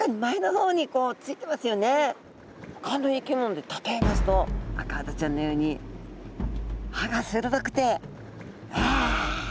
ほかの生き物で例えますとアカハタちゃんのように歯が鋭くてわわ！